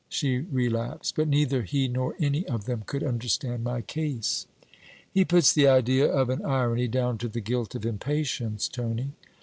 She relapsed. 'But neither he nor any of them could understand my case.' 'He puts the idea of an irony down to the guilt of impatience, Tony.'